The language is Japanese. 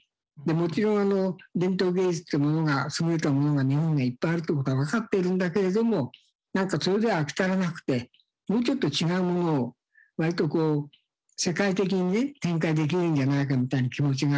もちろん伝統芸術ってものが優れたものが日本にはいっぱいあるということは分かっているんだけれどもなんかそれでは飽き足らなくてもうちょっと違うものをなんかこう世界的にね展開できるんじゃないかみたいな気持ちがあって。